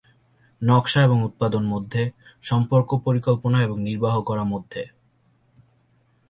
নকশা এবং উৎপাদন মধ্যে সম্পর্ক পরিকল্পনা এবং নির্বাহ করা মধ্যে।